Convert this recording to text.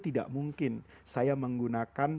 tidak mungkin saya menggunakan